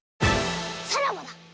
さらばだ！